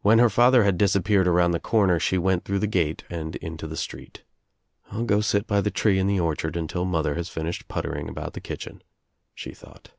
When her father had disappeared around the cor ' ner she went through the gate and into the street "I'll go sit by the tree in the orchard until mother has finished puttering about the kitchen," she thought.